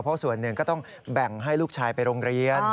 เพราะส่วนหนึ่งก็ต้องแบ่งให้ลูกชายไปโรงเรียน